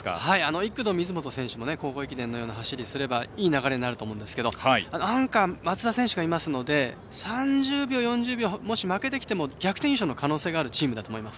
１区の水本選手も高校駅伝のような走りをすればいい流れになると思いますがアンカーに松田選手がいますので３０秒、４０秒もし負けてきても逆転優勝の可能性があるチームだと思います。